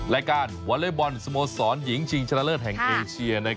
รายการวอเล็กบอลสโมสรหญิงชิงชนะเลิศแห่งเอเชีย